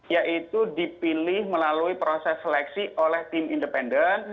yaitu dipilih melalui proses seleksi oleh tim independen